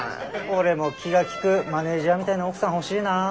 俺も気が利くマネージャーみたいな奥さん欲しいなあ。